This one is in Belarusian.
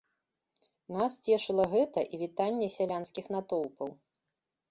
Нас цешыла гэта і вітанне сялянскіх натоўпаў.